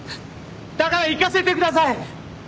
だから行かせてください！